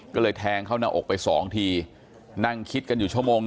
ก็เลยแทงเข้าหน้าอกไป๒ทีนั่งคิดกันอยู่ชั่วโมง